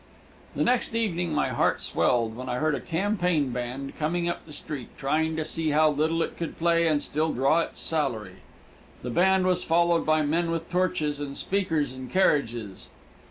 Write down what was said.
The next evening my heart swelled when I heard a campaign band coming up the street, trying to see how little it could play and still draw its salary. The band was followed by men with torches, and speakers in carriages.